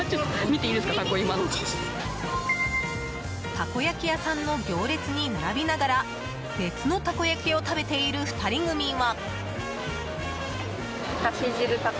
たこ焼き屋さんの行列に並びながら別のたこ焼きを食べている２人組は。